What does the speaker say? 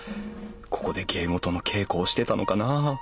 ここで芸事の稽古をしてたのかなあ？